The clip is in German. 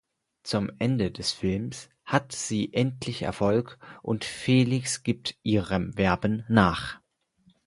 Zum Ende des Films hat sie endlich Erfolg und Felix gibt ihrem Werben nach.